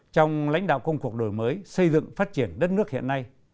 trong lãnh đạo công cuộc đổi mới xây dựng phát triển đất nước hiện nay